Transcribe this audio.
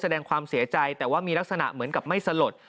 แสดงความเสียใจแต่ว่ามีลักษณะเหมือนกับไม่สลด